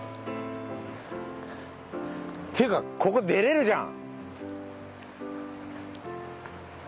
っていうかここ出られるじゃん。